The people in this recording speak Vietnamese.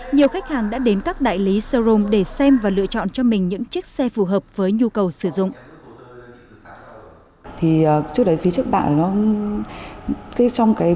nhiều khách hàng đã đến các đại lý showroom để xem và lựa chọn cho mình những chiếc xe phù hợp với nhu cầu sử dụng